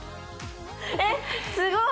・えっすごい！